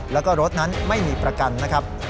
แล้วก็รถนั้นไม่มีประกันนะครับ